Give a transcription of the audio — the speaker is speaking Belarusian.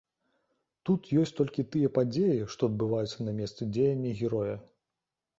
Тут ёсць толькі тыя падзеі, што адбываюцца на месцы дзеяння героя.